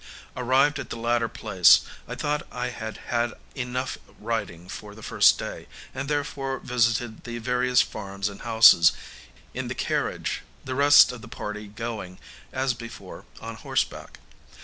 Arrived at the latter place, I thought I had had enough riding for the first day, and therefore visited the various farms and houses in the carriage, the rest of the party going, as before, on horseback.